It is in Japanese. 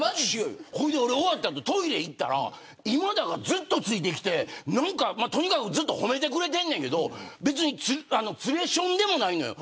俺、終わった後トイレ行ったら今田がずっとついてきてとにかく、ずっと褒めてくれてんねんけど別に連れションでもないのよ。